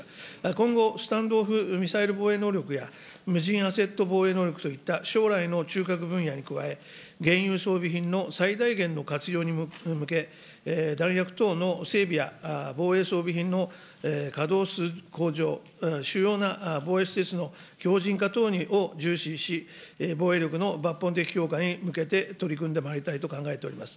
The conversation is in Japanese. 今後、スタンド・オフ・ミサイル能力や無人アセット防衛能力といった将来の中核分野に加え、現有装備品の最大限の活用に向け、弾薬等の整備や防衛装備品の稼働数向上、主要な防衛施設の強じん化等を重視し、防衛力の抜本的強化に向けて取り組んでまいりたいと考えております。